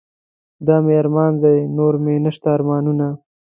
دا مې ارمان دے نور مې نشته ارمانونه